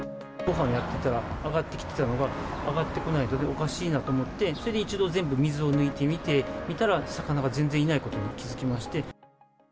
ごはんをやっていたら上がってきてたのが、上がってこないので、おかしいなと思って、それで一度全部水を抜いてみて、見たら魚が全然いないことに気付きまして。